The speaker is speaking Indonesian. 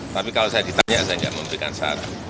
tapi kalau saya ditanya saya tidak memberikan satu